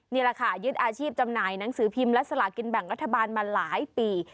นี่แหละค่ะยึดอาชีพจำหน่ายหนังสือพิมพ์และสลากินแบ่งรัฐบาลมาหลายปี